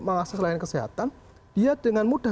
mengakses layanan kesehatan dia dengan mudah